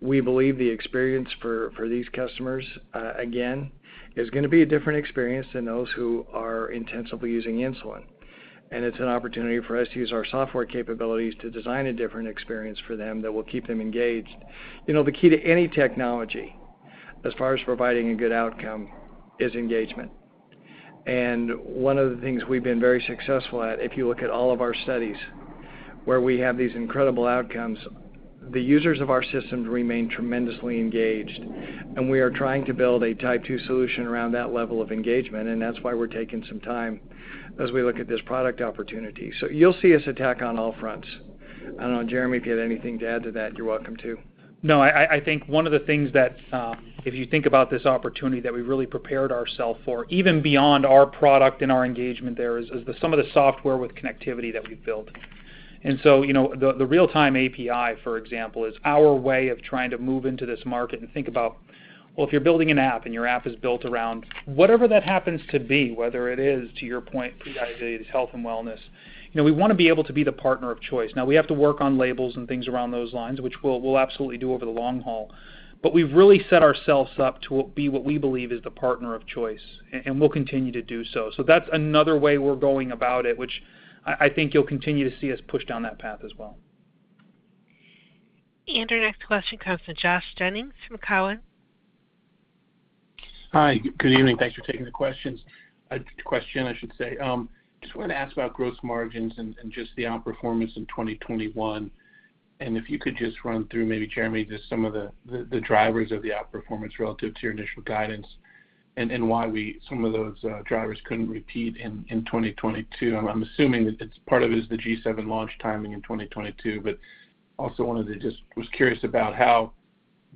We believe the experience for these customers, again, is gonna be a different experience than those who are intensively using insulin. It's an opportunity for us to use our software capabilities to design a different experience for them that will keep them engaged. You know, the key to any technology, as far as providing a good outcome, is engagement. One of the things we've been very successful at, if you look at all of our studies where we have these incredible outcomes, the users of our systems remain tremendously engaged, and we are trying to build a Type 2 solution around that level of engagement, and that's why we're taking some time as we look at this product opportunity. You'll see us attack on all fronts. I don't know, Jereme, if you have anything to add to that, you're welcome to. No, I think one of the things that, if you think about this opportunity that we really prepared ourself for, even beyond our product and our engagement there, is some of the software with connectivity that we've built. You know, the real-time API, for example, is our way of trying to move into this market and think about, well, if you're building an app and your app is built around whatever that happens to be, whether it is, to your point, prediabetes, health and wellness, you know, we wanna be able to be the partner of choice. Now, we have to work on labels and things around those lines, which we'll absolutely do over the long haul. But we've really set ourselves up to be what we believe is the partner of choice, and we'll continue to do so. That's another way we're going about it, which I think you'll continue to see us push down that path as well. Our next question comes from Josh Jennings from Cowen. Hi. Good evening. Thanks for taking the questions. Question I should say. Just wanted to ask about gross margins and just the outperformance in 2021. If you could just run through maybe, Jereme, just some of the drivers of the outperformance relative to your initial guidance and why some of those drivers couldn't repeat in 2022. I'm assuming that it's part of is the G7 launch timing in 2022, but also was curious about how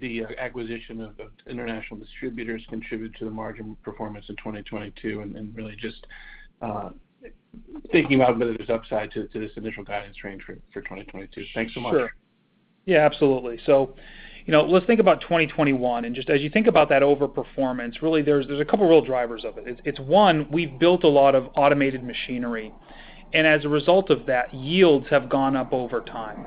the acquisition of the international distributors contribute to the margin performance in 2022 and really just thinking about whether there's upside to this initial guidance range for 2022. Thanks so much. Sure. Yeah, absolutely. You know, let's think about 2021, and just as you think about that overperformance, really there's a couple real drivers of it. It's one, we've built a lot of automated machinery, and as a result of that, yields have gone up over time.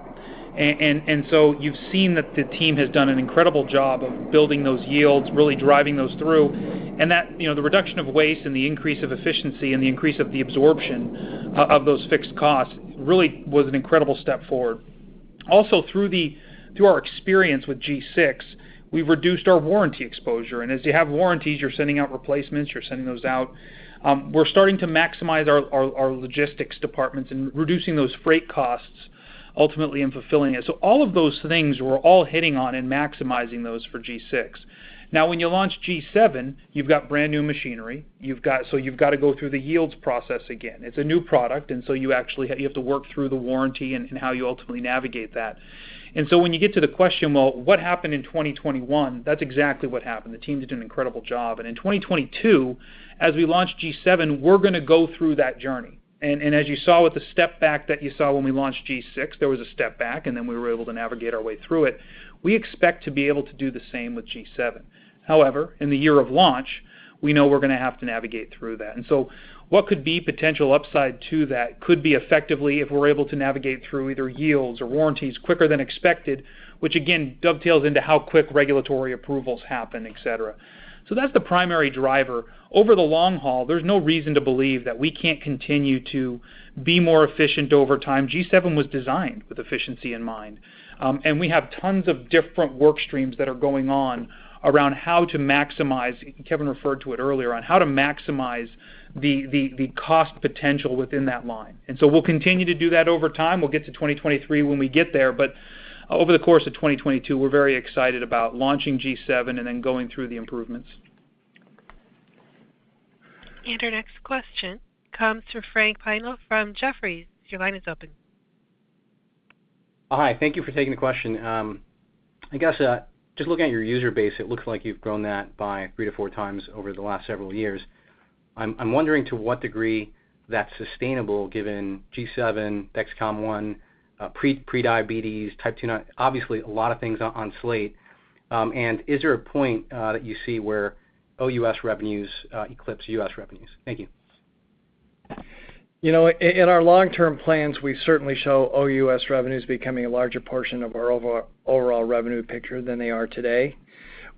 And so you've seen that the team has done an incredible job of building those yields, really driving those through. You know, the reduction of waste and the increase of efficiency and the increase of the absorption of those fixed costs really was an incredible step forward. Also through our experience with G6, we've reduced our warranty exposure, and as you have warranties, you're sending out replacements, you're sending those out. We're starting to maximize our logistics departments and reducing those freight costs ultimately and fulfilling it. All of those things we're all hitting on and maximizing those for G6. Now, when you launch G7, you've got brand-new machinery. You've gotta go through the yields process again. It's a new product, and so you actually, you have to work through the warranty and how you ultimately navigate that. When you get to the question, well, what happened in 2021? That's exactly what happened. The team did an incredible job. In 2022, as we launch G7, we're gonna go through that journey. As you saw with the step back that you saw when we launched G6, there was a step back, and then we were able to navigate our way through it. We expect to be able to do the same with G7. However, in the year of launch, we know we're gonna have to navigate through that. What could be potential upside to that could be effectively if we're able to navigate through either yields or warranties quicker than expected, which again dovetails into how quick regulatory approvals happen, et cetera. That's the primary driver. Over the long haul, there's no reason to believe that we can't continue to be more efficient over time. G7 was designed with efficiency in mind. We have tons of different work streams that are going on around how to maximize. Kevin referred to it earlier on how to maximize the cost potential within that line. We'll continue to do that over time. We'll get to 2023 when we get there, but over the course of 2022, we're very excited about launching G7 and then going through the improvements. Our next question comes from Frank Milo from Jefferies. Your line is open. Hi. Thank you for taking the question. I guess just looking at your user base, it looks like you've grown that by three to four times over the last several years. I'm wondering to what degree that's sustainable given G7, Dexcom ONE, prediabetes, Type 2, obviously, a lot of things on slate. Is there a point that you see where OUS revenues eclipse U.S. revenues? Thank you. You know, in our long-term plans, we certainly show OUS revenues becoming a larger portion of our overall revenue picture than they are today.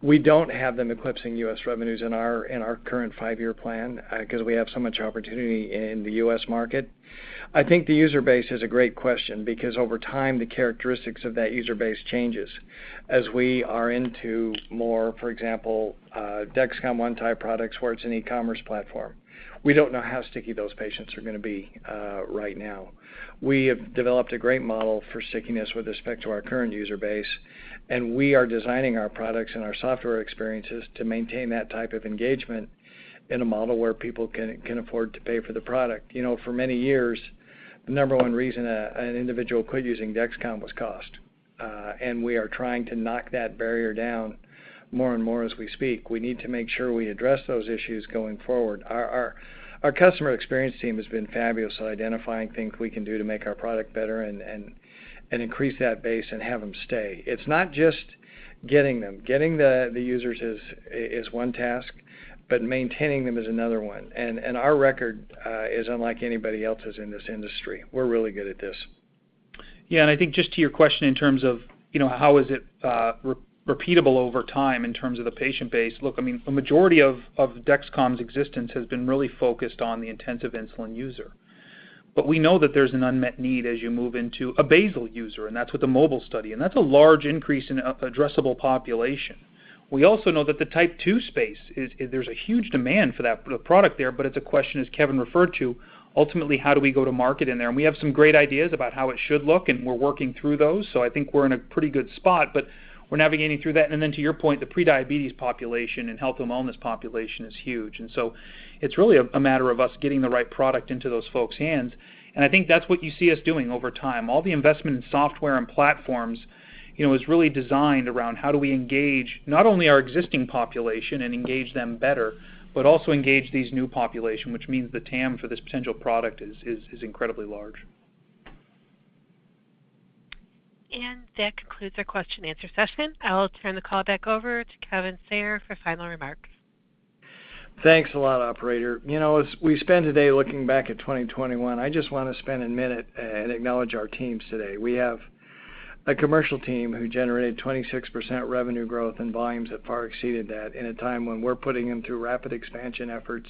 We don't have them eclipsing U.S. revenues in our current five-year plan, 'cause we have so much opportunity in the U.S. market. I think the user base is a great question because over time, the characteristics of that user base changes as we are into more, for example, Dexcom ONE type products where it's an e-commerce platform. We don't know how sticky those patients are gonna be right now. We have developed a great model for stickiness with respect to our current user base, and we are designing our products and our software experiences to maintain that type of engagement in a model where people can afford to pay for the product. You know, for many years, the number one reason an individual quit using Dexcom was cost. We are trying to knock that barrier down more and more as we speak. We need to make sure we address those issues going forward. Our customer experience team has been fabulous at identifying things we can do to make our product better and increase that base and have them stay. It's not just getting them. Getting the users is one task, but maintaining them is another one. Our record is unlike anybody else's in this industry. We're really good at this. Yeah. I think just to your question in terms of, you know, how is it repeatable over time in terms of the patient base? Look, I mean, a majority of Dexcom's existence has been really focused on the intensive insulin user. We know that there's an unmet need as you move into a basal user, and that's with the mobile study, and that's a large increase in addressable population. We also know that the type two space is. There's a huge demand for that product there, but it's a question, as Kevin referred to, ultimately, how do we go to market in there? We have some great ideas about how it should look, and we're working through those. I think we're in a pretty good spot, but we're navigating through that. Then to your point, the prediabetes population and health and wellness population is huge. It's really a matter of us getting the right product into those folks' hands, and I think that's what you see us doing over time. All the investment in software and platforms, you know, is really designed around how do we engage not only our existing population and engage them better, but also engage these new population, which means the TAM for this potential product is incredibly large. That concludes our question and answer session. I'll turn the call back over to Kevin Sayer for final remarks. Thanks a lot, operator. You know, as we spend today looking back at 2021, I just wanna spend a minute and acknowledge our teams today. We have a commercial team who generated 26% revenue growth and volumes that far exceeded that in a time when we're putting them through rapid expansion efforts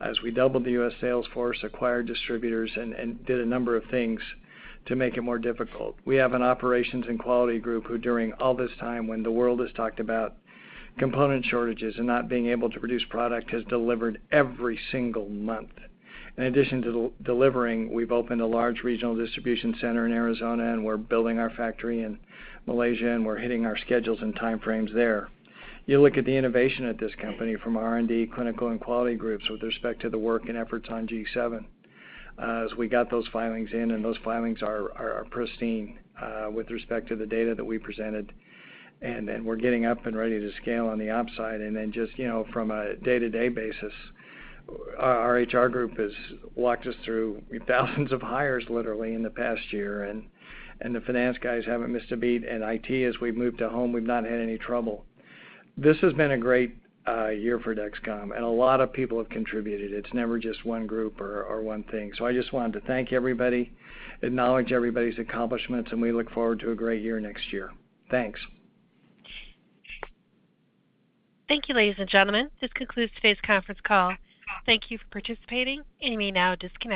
as we doubled the U.S. sales force, acquired distributors, and did a number of things to make it more difficult. We have an operations and quality group who, during all this time when the world has talked about component shortages and not being able to produce product, has delivered every single month. In addition to delivering, we've opened a large regional distribution center in Arizona, and we're building our factory in Malaysia, and we're hitting our schedules and time frames there. You look at the innovation at this company from R&D, clinical, and quality groups with respect to the work and efforts on G7. As we got those filings in, and those filings are pristine, with respect to the data that we presented. We're getting up and ready to scale on the ops side. Just, you know, from a day-to-day basis, our HR group has walked us through thousands of hires literally in the past year, and the finance guys haven't missed a beat, and IT, as we've moved to home, we've not had any trouble. This has been a great year for Dexcom, and a lot of people have contributed. It's never just one group or one thing. I just wanted to thank everybody, acknowledge everybody's accomplishments, and we look forward to a great year next year. Thanks. Thank you, ladies and gentlemen. This concludes today's conference call. Thank you for participating. You may now disconnect.